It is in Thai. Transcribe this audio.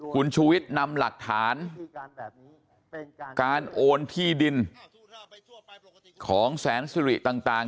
คุณชูวิทย์นำหลักฐานการโอนที่ดินของแสนสิริต่าง